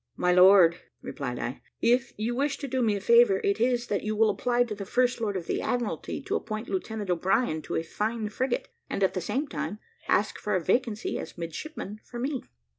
"My lord," replied I, "if you wish to do me a favour, it is, that you will apply to the First Lord of the Admiralty to appoint Lieutenant O'Brien to a fine frigate, and, at the same time, ask for a vacancy as midshipman for me."